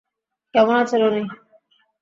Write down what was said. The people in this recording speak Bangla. কেমন আছেন উনি?